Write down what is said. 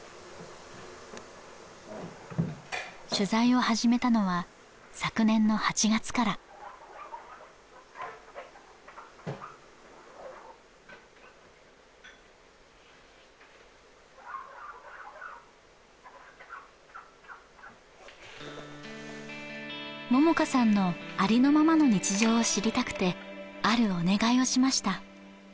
取材を始めたのは昨年の８月から萌々花さんのありのままの日常を知りたくてあるお願いをしました